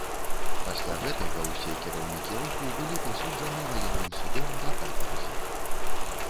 Пасля гэтага ўсе кіраўнікі руху былі прысуджаны ваенным судом да катарзе.